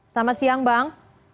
selamat siang bang